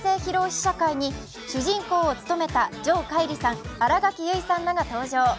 試写会に主人公を務めた城桧吏さん、新垣結衣さんらが登場。